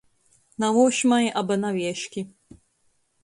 Nauošmai aba navieški.